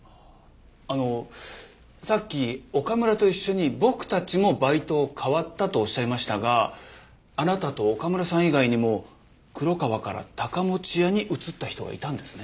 あのさっき「岡村と一緒に僕たちもバイトを変わった」とおっしゃいましたがあなたと岡村さん以外にも黒川から高持屋に移った人がいたんですね？